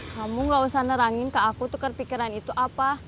kamu gak usah nerangin ke aku tukar pikiran itu apa